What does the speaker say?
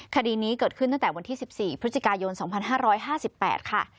คดีนี้เกิดขึ้นตั้งแต่วันที่๑๔พฤศจิกายน๒๕๕๘ค่ะ